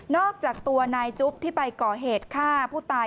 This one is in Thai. อกจากตัวนายจุ๊บที่ไปก่อเหตุฆ่าผู้ตาย